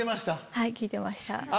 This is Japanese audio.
はい聞いてました。